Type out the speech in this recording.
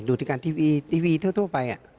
ดูรายการทีวีทีวีทั่วไป